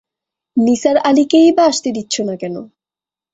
নিসার আলিকেই-বা আসতে দিচ্ছ না কেন?